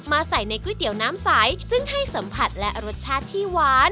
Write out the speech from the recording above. ใส่ในก๋วยเตี๋ยวน้ำใสซึ่งให้สัมผัสและรสชาติที่หวาน